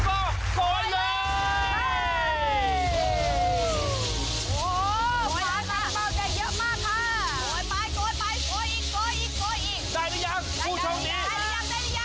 โอ้โหมากเสียท้องดาวเจียงมักมากค่ะ